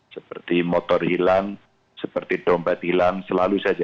seperti motor hilang seperti domba hilang selalu saja